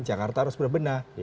jakarta harus berbenah